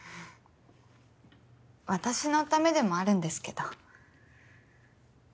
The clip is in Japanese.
私のためでもあるんですけど。